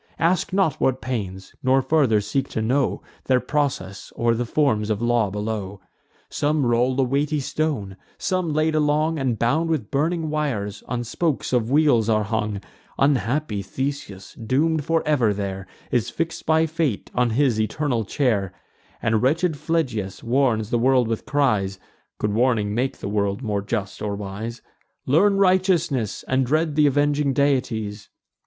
Ask not what pains; nor farther seek to know Their process, or the forms of law below. Some roll a weighty stone; some, laid along, And bound with burning wires, on spokes of wheels are hung Unhappy Theseus, doom'd for ever there, Is fix'd by fate on his eternal chair; And wretched Phlegyas warns the world with cries (Could warning make the world more just or wise): 'Learn righteousness, and dread th' avenging deities.